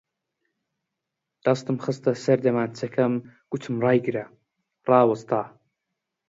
دەستم خستە سەر دەمانچەکەم، گوتم ڕایگرە! ڕاوەستا